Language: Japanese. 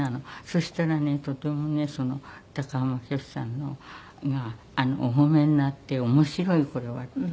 そしたらねとてもね高浜虚子さんがお褒めになって面白いこれはって。